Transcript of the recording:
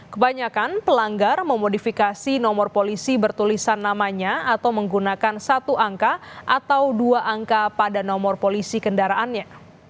kebanyakan pelanggar memodifikasi nomor polisi bertulisan namanya atau menggunakan satu angka atau dua angka pada nomor polisi kendaraannya